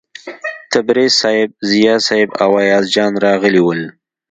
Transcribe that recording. تبریز صیب، ضیا صیب او ایاز جان راغلي ول.